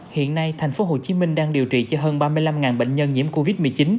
hiện nay tp hcm đang điều trị cho hơn ba mươi năm bệnh nhân nhiễm covid một mươi chín